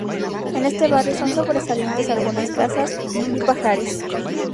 En este barrio son sobresalientes algunas casas y pajares.